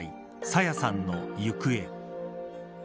朝芽さんの行方。